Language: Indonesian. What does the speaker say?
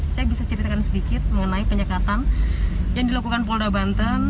saya bisa ceritakan sedikit mengenai penyekatan yang dilakukan polda banten